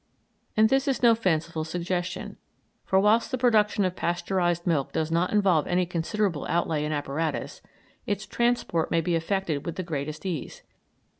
And this is no fanciful suggestion, for whilst the production of Pasteurised milk does not involve any considerable outlay in apparatus, its transport may be effected with the greatest ease.